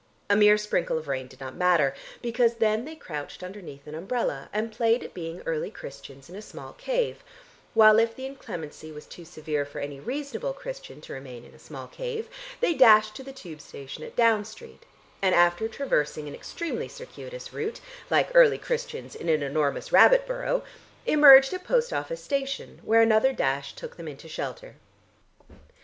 A mere sprinkle of rain did not matter, because then they crouched underneath an umbrella, and played at being early Christians in a small cave, while if the inclemency was too severe for any reasonable Christian to remain in a small cave, they dashed to the tube station at Down Street, and after traversing an extremely circuitous route, like early Christians in an enormous rabbit burrow, emerged at Post Office Station, where another dash took them into shelter.